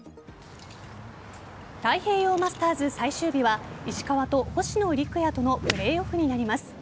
太平洋マスターズ最終日は石川と星野陸也とのプレーオフになります。